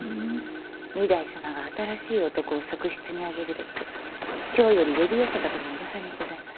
御台様が新しい男を側室に上げるべく京より呼び寄せたとの噂にございます。